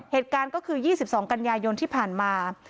เหตุการณ์ก็คือ๒๒กันยายนที่ผ่านมา